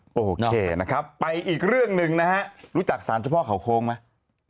โอเคนะครับไปอีกเรื่องหนึ่งนะฮะรู้จักสารเจ้าพ่อเขาโค้งไหม